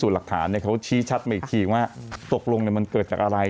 หลักฐานเขาชี้ชัดมาอีกทีว่าตกลงมันเกิดจากอะไร